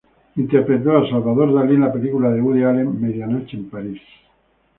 Interpretó a Salvador Dalí en la película de Woody Allen "Medianoche en París".